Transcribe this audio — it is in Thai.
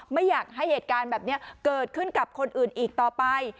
ไม่อยากให้เหตุการณ์แบบนี้เกิดขึ้นกับคนอื่นอีกต่อไป